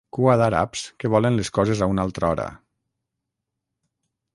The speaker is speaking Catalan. Cua d'àrabs que volen les coses a una altra hora.